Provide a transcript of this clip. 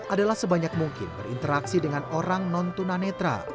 adalah sebanyak mungkin berinteraksi dengan orang non tuna netra